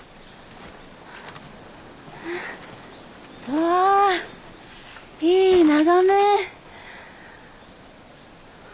わいい眺め！